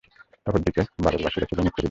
অপরদিকে বাবেলবাসীরা ছিল মূর্তিপূজক।